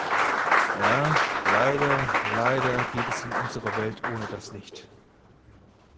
Ja, leider, leider geht es in unserer Welt ohne das nicht!